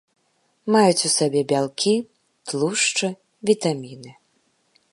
Маюць у сабе бялкі, тлушчы, вітаміны.